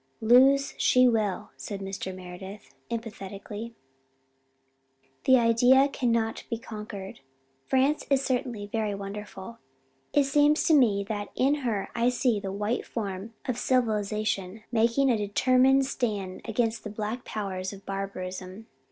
"Lose she will," said Mr. Meredith: emphatically. "The Idea cannot be conquered. France is certainly very wonderful. It seems to me that in her I see the white form of civilization making a determined stand against the black powers of barbarism.